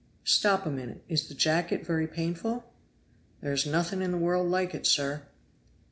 "Stop a minute; is the jacket very painful?" "There is nothing in the world like it, sir."